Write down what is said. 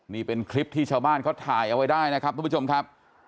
นี่เป็นคลิปที่ชาวบ้านเขาถ่ายเอาไว้ได้นะครับทุกผู้ชมครับ